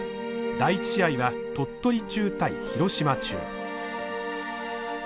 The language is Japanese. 第１試合は鳥取中対廣島中。